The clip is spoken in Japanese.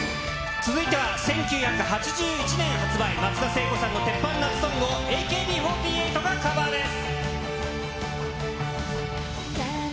続いては、１９８１年発売、松田聖子さんの鉄板夏ソングをＡＫＢ４８がカバーです。